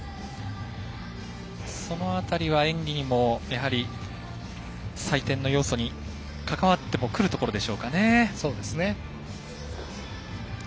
その辺りは演技にも採点の要素に関わってくるところでしょうかね。